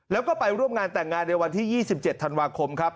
แล้วก็ไปร่วมงานแต่งงานในวันที่๒๗ธันวาคมครับ